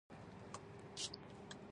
پمپ سټېشنونو کارکوونکي دي.